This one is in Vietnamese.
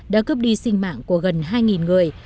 đã cướp đi sinh mạng của gần hai người